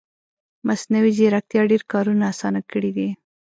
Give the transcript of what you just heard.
مصنوعي ځیرکتیا ډېر کارونه اسانه کړي دي